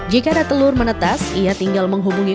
jika ada telur menetas ia tinggal menghubungi